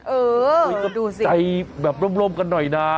เออดูสิใจแบบล้มกันหน่อยนะ